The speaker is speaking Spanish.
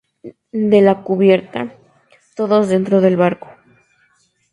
de la cubierta. todos dentro del barco.